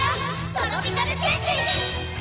トロピカルチェンジ！